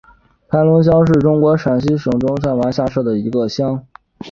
盘龙乡是中国陕西省汉中市城固县下辖的一个乡。